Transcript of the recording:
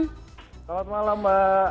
selamat malam mbak